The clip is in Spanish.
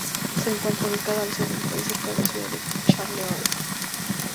Se encuentra ubicada al sur del país, cerca de la ciudad de Charleroi.